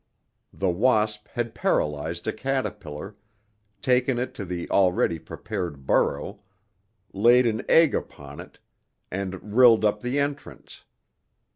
The wasp had paralyzed a caterpillar, taken it to the already prepared burrow, laid an egg upon it, and rilled up the entrance.